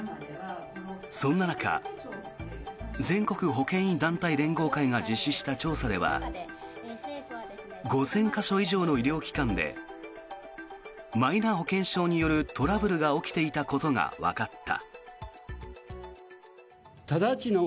そんな中全国保険医団体連合会が実施した調査では５０００か所以上の医療機関でマイナ保険証によるトラブルが起きていたことがわかった。